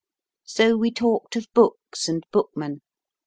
So we talked of books and bookmen.